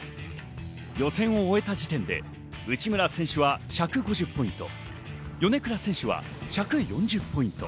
予選を終えた時点で内村選手は１５０ポイント、米倉選手は１４０ポイント。